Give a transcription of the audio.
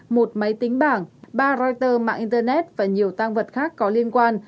một máy tính bảng ba reuters mạng internet và nhiều tăng vật khác có liên quan